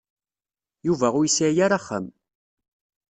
Yuba ur yesɛi ara axxam.